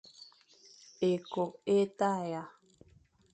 Ékôkh é tagha.